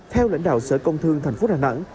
theo lãnh đạo sở công thương thành phố đà nẵng